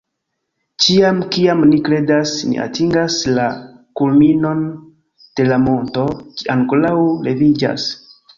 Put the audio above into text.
Ĉiam kiam mi kredas ni atingas la kulminon de la monto, ĝi ankoraŭ leviĝas